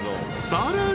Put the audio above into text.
［さらに］